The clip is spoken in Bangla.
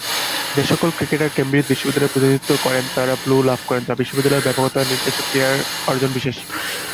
যে সকল ক্রিকেটার কেমব্রিজ বিশ্ববিদ্যালয়ের প্রতিনিধিত্ব করেন তাঁরা ব্লু লাভ করেন যা বিশ্ববিদ্যালয়ের ব্যাপকতা নির্দেশক ক্রীড়ার অর্জনবিশেষ।